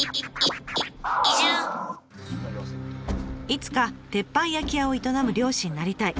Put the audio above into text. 「いつか鉄板焼き屋を営む漁師になりたい」。